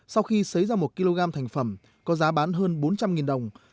sau khi xấy ra một kg thành phẩm có giá bán hơn bốn trăm linh đồng